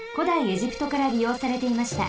エジプトからりようされていました。